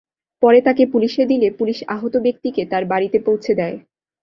পরে তাঁকে পুলিশে দিলে, পুলিশ আহত ব্যক্তিকে তাঁর বাড়িতে পৌঁছে দেয়।